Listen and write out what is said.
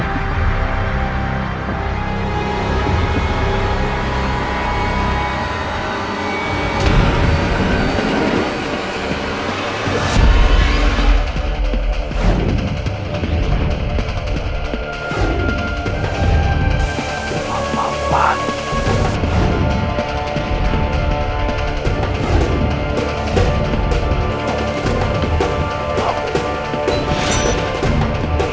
aku ingin membuatmu menjadi seorang yang baik